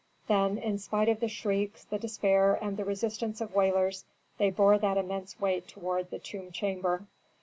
Then, in spite of the shrieks, the despair, and the resistance of wailers, they bore that immense weight toward the tomb chamber.